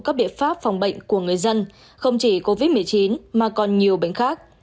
các biện pháp phòng bệnh của người dân không chỉ covid một mươi chín mà còn nhiều bệnh khác